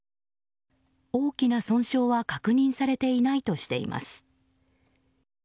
大きな損傷は確認されていないとしています。